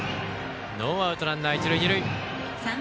ノーアウト、ランナー、一塁二塁。